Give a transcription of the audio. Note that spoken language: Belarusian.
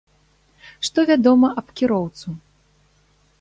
Што вядома аб кіроўцу?